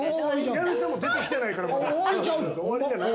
家主さんも出てきてないから。